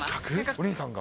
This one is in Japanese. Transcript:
お兄さんが？